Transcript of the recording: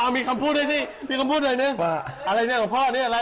อ้าวมีคำพูดด้วยนี่มีคำพูดด้วยนี่อะไรเนี้ยของพ่อนี่อะไร